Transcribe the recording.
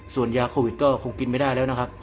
ส่วนยามาก็คู่กินไม่ได้นะครับ